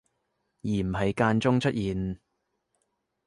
而唔係間中出現